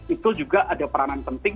itu juga ada peranan penting